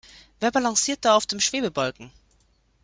Wer balanciert da auf dem Schwebebalken?